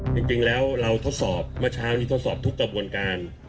จริงแล้วเราทดสอบเมื่อเช้านี้ทดสอบทุกกระบวนการ